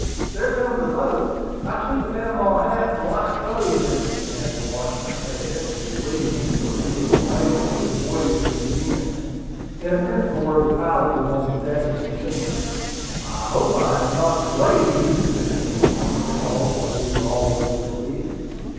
"There comes a boat. I see the Panama hat and light clothes in it," added Washburn, evidently relieved, for he was impatient for the voyage to begin. In a minute more the pilot was on the deck of the steamer. "I hope I have not delayed you," said he, when he saw that we were all ready to leave.